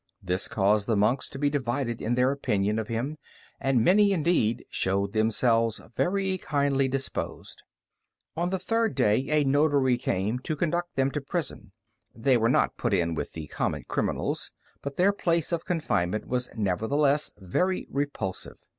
This caused the monks to be divided in their opinion of him, and many, indeed, showed themselves very kindly disposed. On the third day a notary came to conduct them to prison. They were not put with the common criminals, but their place of confinement was nevertheless very repulsive.